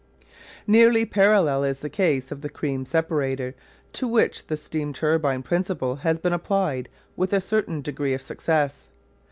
Nearly parallel is the case of the cream separator, to which the steam turbine principle has been applied with a certain degree of success.